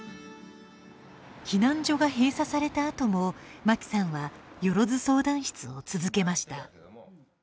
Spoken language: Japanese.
避難所が閉鎖されたあとも牧さんは、よろず相談室を続けました。